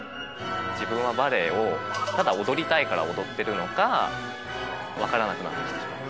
自分はバレエをただ踊りたいから踊ってるのか分からなくなってきてしまった。